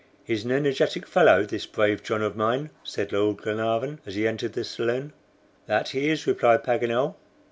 "He's an energetic fellow, this brave John of mine!" said Lord Glenarvan, as he entered the saloon. "That he is," replied Paganel.